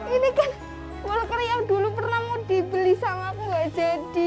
ini kan wulkeri yang dulu pernah mau dibeli sama aku enggak jadi